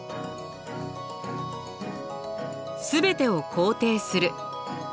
すべてを肯定する。